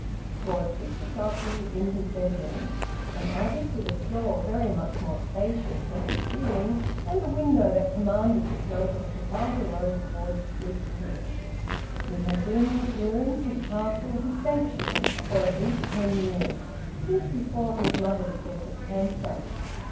Towards six o'clock he was in his bedroom, an attic with a floor very much more spacious than its ceiling, and a window that commanded the slope of Trafalgar Road towards Bleakridge. It had been his room, his castle, his sanctuary, for at least ten years, since before his mother's death of cancer.